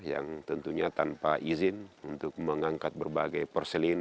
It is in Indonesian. yang tentunya tanpa izin untuk mengangkat berbagai perseline